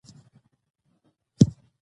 علم د ټولنې د ستونزو حل ته لار ده.